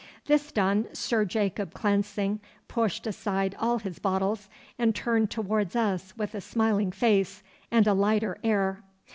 This done, Sir Jacob Clancing pushed aside all his bottles, and turned towards us with a smiling face and a lighter air.